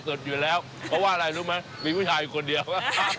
อยู่แล้วเพราะว่าอะไรรู้ไหมมีผู้ชายคนเดียว